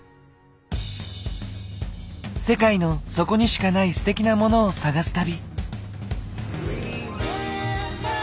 世界のそこにしかないステキなモノを探す旅。